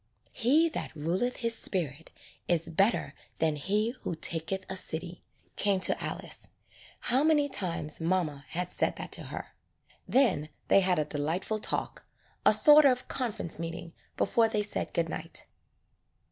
"He that ruleth his spirit is better than he who taketh a city,'^ came to Alice. How many times mamma had said that to her. Then they had a delightful talk, a sort of conference meeting before they said good night.